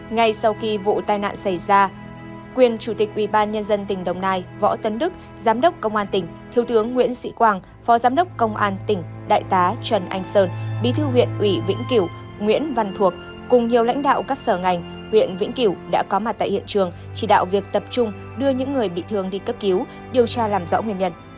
ngay sau khi vụ tai nạn xảy ra quyền chủ tịch ubnd tỉnh đồng nai võ tấn đức giám đốc công an tỉnh thiếu tướng nguyễn sĩ quang phó giám đốc công an tỉnh đại tá trần anh sơn bí thư huyện ủy vĩnh kiều nguyễn văn thuộc cùng nhiều lãnh đạo các sở ngành huyện vĩnh kiều đã có mặt tại hiện trường chỉ đạo việc tập trung đưa những người bị thương đi cấp cứu điều tra làm rõ nguyên nhân